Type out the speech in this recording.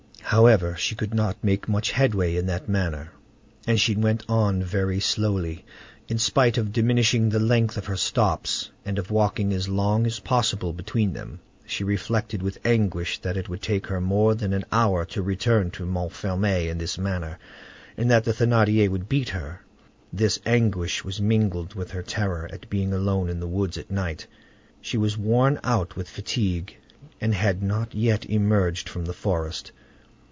However, she could not make much headway in that manner, and she went on very slowly. In spite of diminishing the length of her stops, and of walking as long as possible between them, she reflected with anguish that it would take her more than an hour to return to Montfermeil in this manner, and that the Thénardier would beat her. This anguish was mingled with her terror at being alone in the woods at night; she was worn out with fatigue, and had not yet emerged from the forest.